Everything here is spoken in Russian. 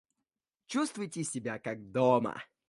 Чувствуйте себя, как дома.